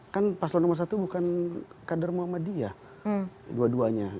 kan paslon nomor satu bukan kader muhammadiyah dua duanya